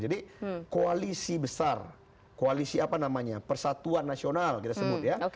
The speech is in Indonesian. jadi koalisi besar koalisi apa namanya persatuan nasional kita sebut ya